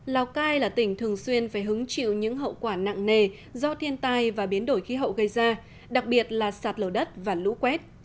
lào cai là tỉnh thường xuyên phải hứng chịu những hậu quả nặng nề do thiên tai và biến đổi khí hậu gây ra đặc biệt là sạt lở đất và lũ quét